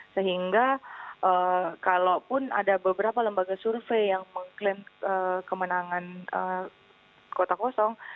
sehingga kalaupun ada beberapa lembaga survei yang mengklaim kemenangan kota kosong